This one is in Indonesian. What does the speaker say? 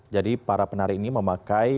jadi para penari ini memakai